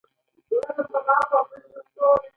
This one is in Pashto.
په کار کې نظارت او بررسي.